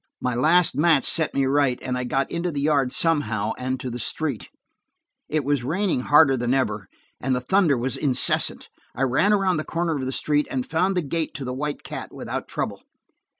My last match set me right and I got into the yard somehow, and to the street. It was raining harder than ever, and the thunder was incessant. I ran around the corner of the street, and found the gate to the White Cat without trouble.